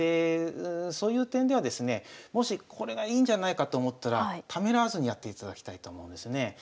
そういう点ではですねもしこれがいいんじゃないかと思ったらためらわずにやっていただきたいと思うんですね。